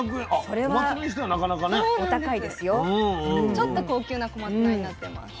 ちょっと高級な小松菜になってます。